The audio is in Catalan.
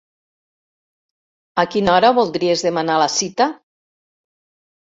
A quina hora voldries demanar la cita?